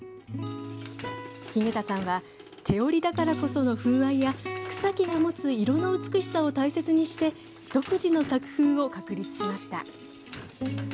日下田さんは手織りだからこその風合いや草木が持つ色の美しさを大切にして独自の作風を確立しました。